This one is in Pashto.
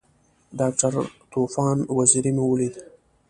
ډاکټر طوفان وزیری مو ولید.